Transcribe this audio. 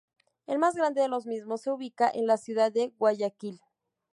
El más grande de los mismos se ubica en la ciudad de Guayaquil.